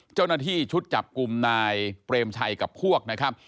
เจ้าหน้าที่ชุดจับกลุ่มนายเปรมชัยกับพวกนะครับ